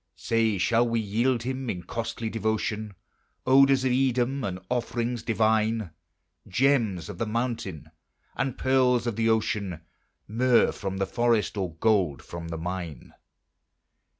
Say, shall we yield him, in costly devotion, Odors of Edom, and offerings divine? Gems of the mountain, and pearls of the ocean, Myrrh from the forest, or gold from the mine?